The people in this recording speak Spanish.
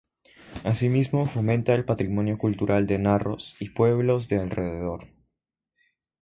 Asimismo fomenta el patrimonio cultural de Narros y pueblos de alrededor.